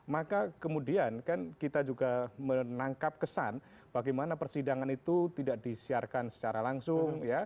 maka kemudian kan kita juga menangkap kesan bagaimana persidangan itu tidak disiarkan secara langsung